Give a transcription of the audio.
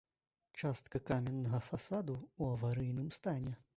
Частка каменнага фасаду ў аварыйным стане.